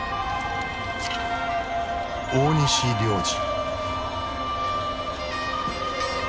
大西良治。